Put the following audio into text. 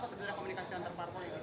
apa sebenarnya komunikasi antar partai ini